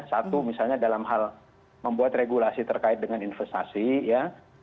satu misalnya dalam hal membuat regulasi terkait dengan investasi ya